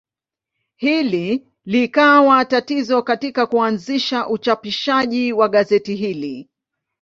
Hili likawa tatizo katika kuanzisha uchapishaji wa gazeti hili.